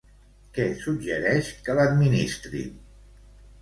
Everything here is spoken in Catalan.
Què suggereix que l'administrin?